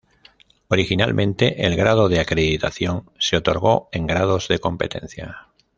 Originalmente, el grado de acreditación se otorgó en grados de "competencia".